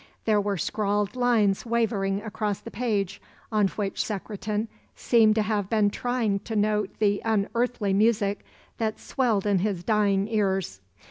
There were scrawled lines wavering across the page on which Secretan seemed to have been trying to note the unearthly music that swelled in his dying ears.